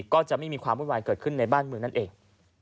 ก็จะไม่มีความวุ่นวายเกิดขึ้นในบ้านเมืองนั่นเอง